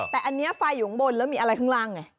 แต่อันนี้ไฟอยู่ข้างบนแล้วมีอะไรข้างล่างไง